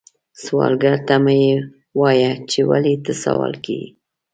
سوالګر ته مه وایې چې ولې ته سوال کوې